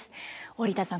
織田さん